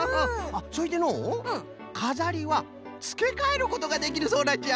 それでのうかざりはつけかえることができるそうなんじゃ。